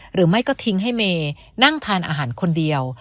หรือไม่ก็ทิ้งให้เมย์นั่งทานอาหารคนเดียว